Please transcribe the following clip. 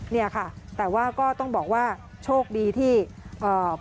เนี่ยค่ะแต่ว่าก็ต้องบอกว่าโชคดีที่เอ่อ